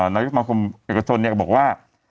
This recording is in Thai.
นักยุคมารคมเอกชนบอกว่า